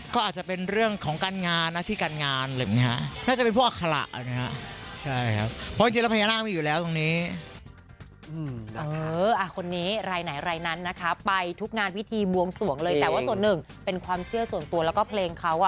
ก็อาจเป็นเรื่องของการงานนัทฯที่การงานเหมือนกันนะ